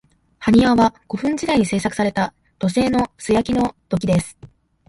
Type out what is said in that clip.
埴輪は、古墳時代に製作された土製の素焼きの土器です。